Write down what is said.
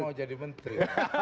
saya mau jadi menteri